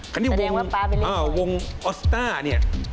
แต่นี่วงออสต้าเนี่ย